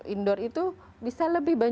indoor itu bisa lebih